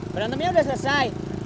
berantemnya udah selesai